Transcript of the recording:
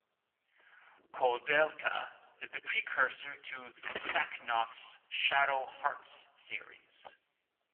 "Koudelka" is the precursor to Sacnoth's "Shadow Hearts" series.